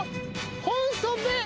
ホンソメ。